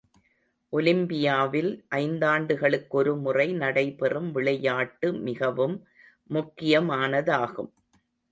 ஒலிம்பியாவில் ஐந்தாண்டுகளுக்கொரு முறை நடைபெறும் விளையாட்டு மிகவும் முக்கியமானதாகும்.